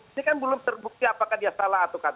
ini kan belum terbukti apakah dia salah atau tidak